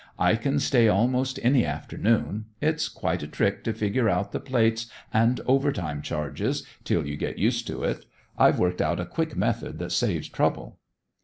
I can stay almost any afternoon. It's quite a trick to figure out the plates and over time charges till you get used to it. I've worked out a quick method that saves trouble."